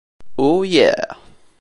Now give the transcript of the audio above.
Ooh Yeah!